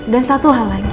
dan satu hal lagi